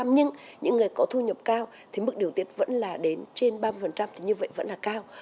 nhưng những người có thu nhập cao thì mức điều tiết vẫn là đến trên ba mươi thì như vậy vẫn là cao